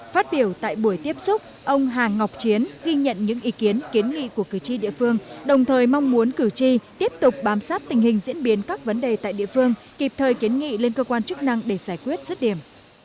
phát biểu tại buổi tiếp xúc ông hà ngọc chiến ghi nhận những ý kiến kiến nghị của cử tri địa phương đồng thời mong muốn cử tri tiếp tục bám sát tình hình diễn biến các vấn đề tại địa phương kịp thời kiến nghị lên cơ quan chức năng để giải quyết rứt điểm